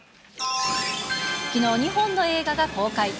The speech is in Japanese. きのう、２本の映画が公開。